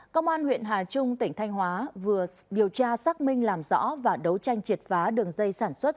công an huyện hà trung tỉnh thanh hóa vừa điều tra xác minh làm rõ và đấu tranh triệt phá đường dây sản xuất